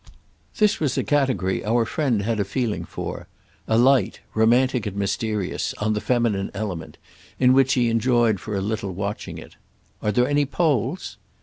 This was a category our friend had a feeling for; a light, romantic and mysterious, on the feminine element, in which he enjoyed for a little watching it. "Are there any Poles?"